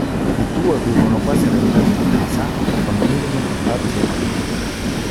I due vivono quasi relegati in casa con minimi contatti umani.